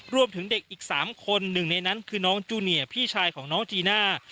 รวมถึงเด็กอีก๓คนหนึ่งในนั้นคือน้องจูเนียร์พี่ชายของน้องจีน่า